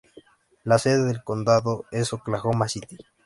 La sede del condado es Oklahoma City.